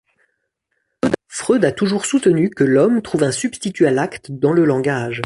Freud a toujours soutenu que l'homme trouve un substitut à l'acte dans le langage.